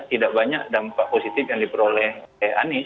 tidak banyak dampak positif yang diperoleh anies